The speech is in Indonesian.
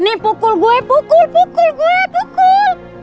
ini pukul gue pukul pukul gue pukul